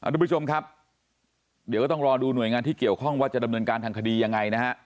ทุกผู้ชมครับเดี๋ยวก็ต้องรอดูหน่วยงานที่เกี่ยวข้องว่าจะดำเนินการทางคดียังไงนะฮะ